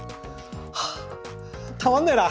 はぁたまんねえな。